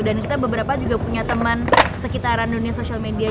dan kita beberapa juga punya teman sekitaran dunia social media